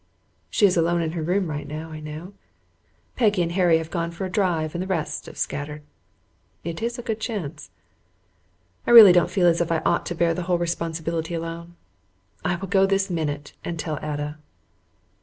She is alone in her room now, I know. Peggy and Harry have gone for a drive, and the rest have scattered. It is a good chance. I really don't feel as if I ought to bear the whole responsibility alone. I will go this minute and tell Ada.